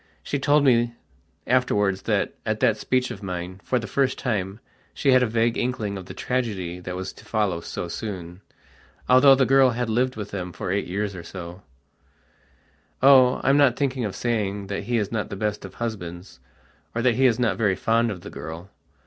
she told me afterwards that, at that speech of mine, for the first time she had a vague inkling of the tragedy that was to follow so soonalthough the girl had lived with them for eight years or so: "Oh, I'm not thinking of saying that he is not the best of husbands, or that he is not very fond of the girl."